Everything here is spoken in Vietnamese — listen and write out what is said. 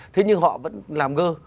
thế nhưng họ vẫn làm ngơ